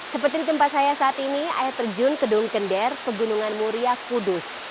seperti tempat saya saat ini air terjun gedung gender pegunungan muria kudus